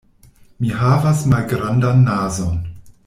Mi havas malgrandan nazon.